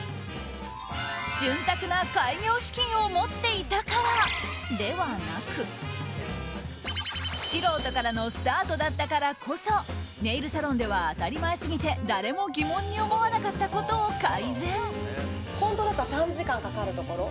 潤沢な開業資金を持っていたからではなく素人からのスタートだったからこそネイルサロンでは当たり前すぎて誰も疑問に思わなかったことを改善。